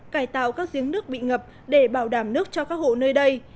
cải tạo các giếng nước bị ngập để bảo đảm nước cho các hộ nơi đây